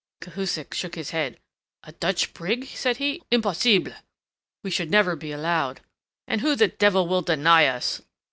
Cahusac shook his head. "A Dutch brig!" said he. "Impossible! We should never be allowed." "And who the devil will deny us?"